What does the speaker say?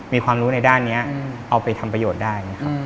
มีความรู้ในด้านนี้เอาไปทำประโยชน์ได้นะครับ